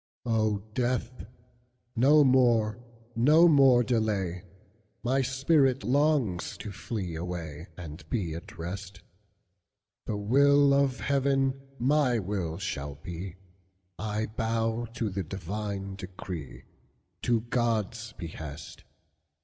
"O Death, no more, no more delay; My spirit longs to flee away, And be at rest; The will of Heaven my will shall be,I bow to the divine decree, To God's behest.